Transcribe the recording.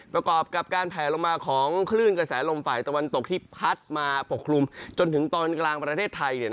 ประกอบกับการแผลลงมาของคลื่นกระแสลมฝ่ายตะวันตกที่พัดมาปกคลุมจนถึงตอนกลางประเทศไทย